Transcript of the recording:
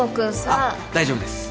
あっ大丈夫です。